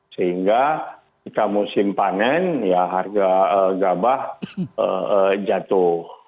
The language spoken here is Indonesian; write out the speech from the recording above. sehingga jika musim panen ya harga gabah jatuh